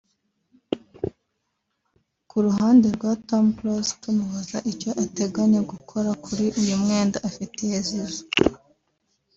Ku ruhande rwa Tom Close tumubaza icyo ateganya gukora kuri uyu mwenda afitiye Zizou